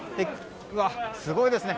すごいですね。